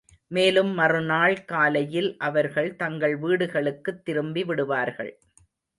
மேலும் மறுநாள் காலையில் அவர்கள் தங்கள் வீடுகளுக்குத் திரும்பிவிடுவார்கள்.